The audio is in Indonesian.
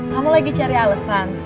kamu lagi cari alesan